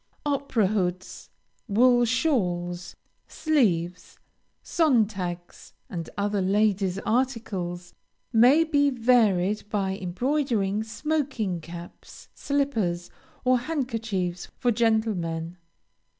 Opera hoods, wool shawls, sleeves, Sontags, and other ladies' articles, may be varied by embroidering smoking caps, slippers, or handkerchiefs for gentlemen.